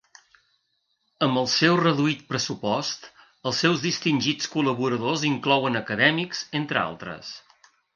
Amb el seu reduït pressupost, els seus distingits col·laboradors inclouen acadèmics, entre altres.